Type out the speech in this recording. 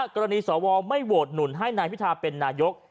สวไม่โหวตหนุนให้นายพิทาเป็นนายก